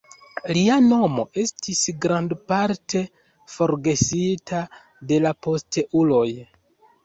Lia nomo estis grandparte forgesita de la posteuloj.